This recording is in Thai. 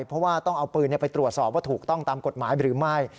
เพราะว่าต้องเอาปืนไปตรวจสอบว่าถูกต้องตามกฎหมายหรือไม่